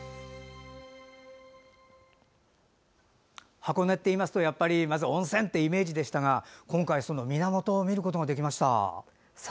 箱根っていいますとまず温泉というイメージでしたが今回、その源を見ることができました。